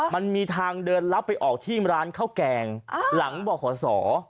มันมีทางเดินรับไปออกที่ร้านข้าวแกงหลังบ่อขอสอ